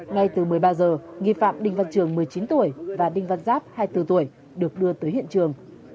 ngay từ một mươi ba giờ nghi phạm đinh văn trường một mươi chín tuổi và đinh văn giáp hai mươi bốn tuổi được đưa tới hiện trường